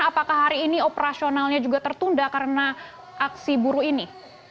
dan apakah hari ini operasionalnya juga tertunda karena aksi buru ini